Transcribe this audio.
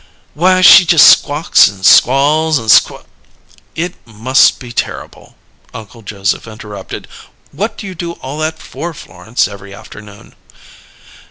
Why, she just squawks and squalls and squ " "It must be terrible," Uncle Joseph interrupted. "What do you do all that for, Florence, every afternoon?"